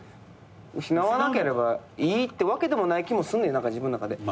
失わなければいいってわけでもない気もすんねん自分の中で。